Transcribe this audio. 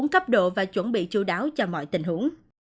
bốn cấp độ và chuẩn bị chú đáo cho mọi tình huống